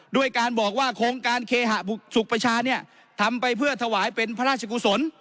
ด้วยการบอกว่าโครงการเคหสุขประชาเนี่ยทำไปเพื่อถวายเป็นพระราชกุศล